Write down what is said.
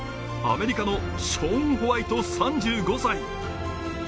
アメリカのショーン・ホワイト３５歳。